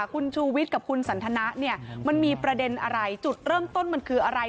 คุณชูวิทย์กับคุณสันทนะเนี่ยมันมีประเด็นอะไรจุดเริ่มต้นมันคืออะไร